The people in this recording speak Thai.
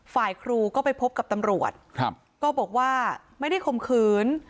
ฝ่ายครูก็ไปพบกับตำรวจครับก็บอกว่าไม่ได้ข่มขืน